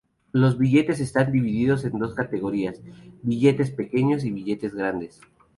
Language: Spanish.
Los billetes están divididos en dos categorías, billetes pequeños y billetes grandes.